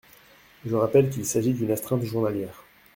Je rappelle qu’il s’agit d’une astreinte journalière.